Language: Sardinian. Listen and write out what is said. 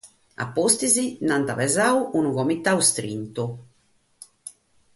A pustis nch'ant ammaniadu unu comitadu istrintu.